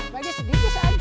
bagi sedikit saja